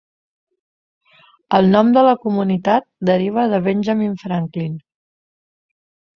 El nom de la comunitat deriva de Benjamin Franklin.